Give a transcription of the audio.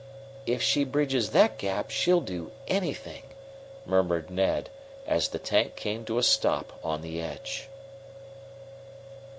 "If she bridges that gap she'll do anything," murmured Ned, as the tank came to a stop on the edge.